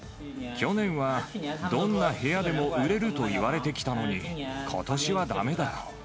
去年はどんな部屋でも売れるといわれてきたのに、ことしはだめだ。